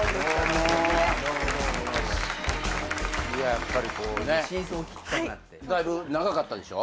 やっぱりこうねだいぶ長かったでしょ。